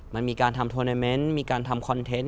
มันมีการทำโทรนาเมนต์มีการทำคอนเทนต์